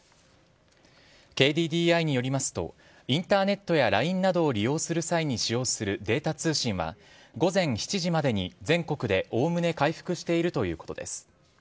ＫＤＤＩによりますと、インターネットやＬＩＮＥなどを利用する際に使用するデータ通信は、午前７時までに全国でおおむね回復しているということです。